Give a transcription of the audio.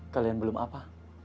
kalian belum apa